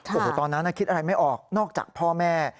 โอ้โหตอนนั้นคิดอะไรไม่ออกนอกจากพ่อแม่